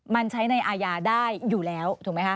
มันใช้ในอาญาได้อยู่แล้วถูกไหมคะ